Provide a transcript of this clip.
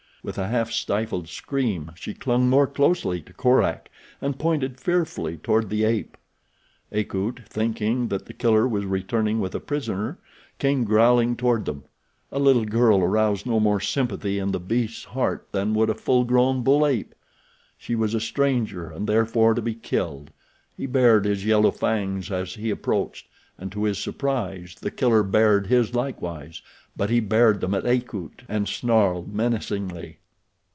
With a half stifled scream she clung more closely to Korak, and pointed fearfully toward the ape. Akut, thinking that The Killer was returning with a prisoner, came growling toward them—a little girl aroused no more sympathy in the beast's heart than would a full grown bull ape. She was a stranger and therefore to be killed. He bared his yellow fangs as he approached, and to his surprise The Killer bared his likewise, but he bared them at Akut, and snarled menacingly.